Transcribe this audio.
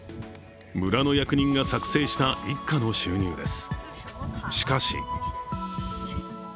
村の役人が作成した一家の収入です。